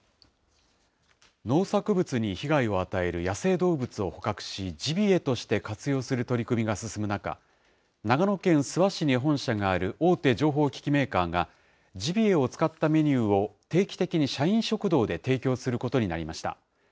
農作物に被害を与える野生動物を捕獲し、ジビエとして活用する取り組みが進む中、長野県諏訪市に本社がある大手情報機器メーカーが、ジビエを使ったメニューを定期的に社員食堂で提供することになりました。